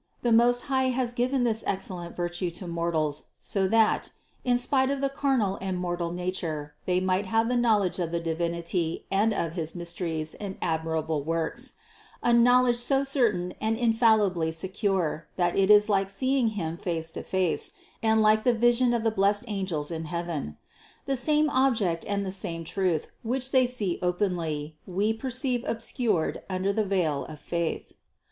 The Most High has given this excellent virtue to mortals so that, in spite of the carnal and mortal nature, they might have the knowledge of the Divinity and of his mysteries and admirable works: a knowledge so certain and infallibly secure, that it is like seeing Him face to face, and like the vision of the blessed angels in heaven. The same object and the same truth, which they see openly, we perceive obscured under the veil of faith.